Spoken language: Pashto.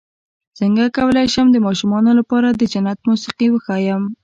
څنګه کولی شم د ماشومانو لپاره د جنت موسيقي وښایم